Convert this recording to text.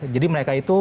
jadi mereka itu